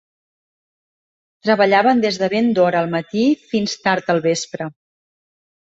Treballaven des de ben d'hora al matí fins tard al vespre.